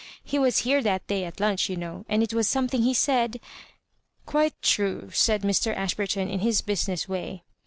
He was here that day at lunch, you know, and it was something he said ^"" Quite true," said Mr. Ashburton in his busi ness way.